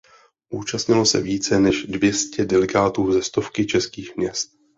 Účastnilo se více než dvě stě delegátů ze stovky českých měst.